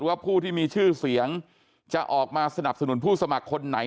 ว่าผู้ที่มีชื่อเสียงจะออกมาสนับสนุนผู้สมัครคนไหน